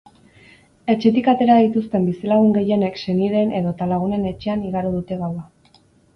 Etxetik atera dituzten bizilagun gehienek senideen edota lagunen etxean igaro dute gaua.